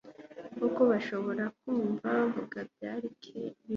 Ko bashoboraga kumva bavuga byari bike